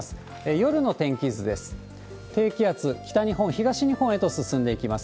夜の天気図です。